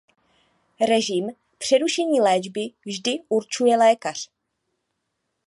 Režim přerušení léčby vždy určuje lékař.